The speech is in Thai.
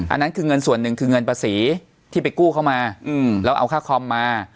อันนั้นคือเงินส่วนหนึ่งคือเงินภาษีที่ไปกู้เข้ามาแล้วเอาค่าคอมมา